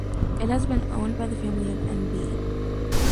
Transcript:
It has been owned by the family of N. B.